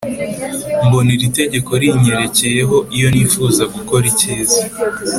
Mbona iri tegeko rinyerekeyeho iyo nifuza gukora icyiza